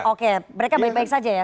oke mereka baik baik saja ya